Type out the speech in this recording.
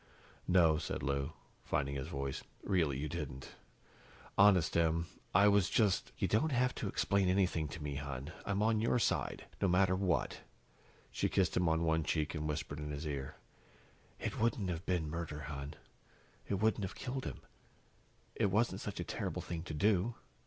"No," said Lou, finding his voice, "really you didn't. Honest, Em, I was just " "You don't have to explain anything to me, hon. I'm on your side, no matter what." She kissed him on one cheek and whispered in his ear, "It wouldn't have been murder, hon. It wouldn't have killed him. It wasn't such a terrible thing to do.